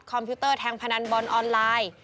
พิวเตอร์แทงพนันบอลออนไลน์